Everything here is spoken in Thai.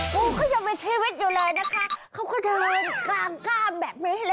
ปูเค้ายังมีชีวิตอยู่เลยเค้าก็เดินกล้ามแบบนี้แหละ